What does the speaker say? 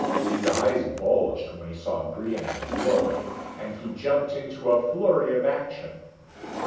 His eyes bulged when he saw Brion in the doorway and he jumped into a flurry of action.